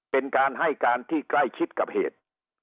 เป็นการให้การที่ใกล้ชิดกับเหตุ